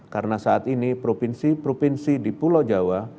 karena saat ini provinsi provinsi di pulau jawa